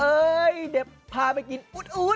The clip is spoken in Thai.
เดี๋ยวพาไปกินอุ๊ด